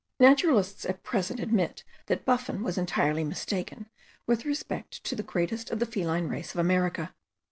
Naturalists at present admit that Buffon was entirely mistaken with respect to the greatest of the feline race of America.